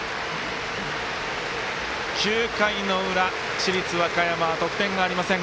９回の裏、市立和歌山の得点がありません。